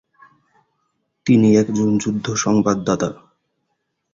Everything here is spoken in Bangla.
তিনি একজন যুদ্ধ সংবাদদাতা।